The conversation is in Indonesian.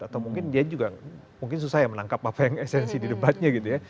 atau mungkin dia juga mungkin susah ya menangkap apa yang esensi di debatnya gitu ya